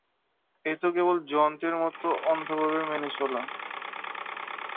এ তো কেবল যন্ত্রের মতো অন্ধভাবে মেনে চলা।